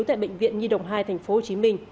tại bệnh viện nhi đồng hai tp hcm